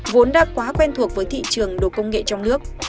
vốn đã quá quen thuộc với thị trường đồ công nghệ trong nước